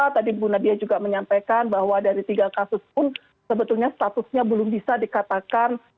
tadi bu nadia juga menyampaikan bahwa dari tiga kasus pun sebetulnya statusnya belum bisa dikatakan